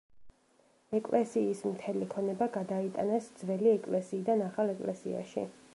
ეკლესიის მთელი ქონება გადაიტანეს ძველი ეკლესიიდან ახალ ეკლესიაში.